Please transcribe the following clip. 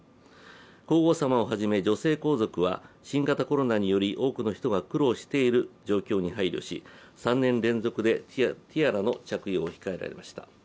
皇后さまをはじめ女性皇族は新型コロナにより多くの人が苦労している状況に配慮し、３年連続でティアラの着用を控えられました。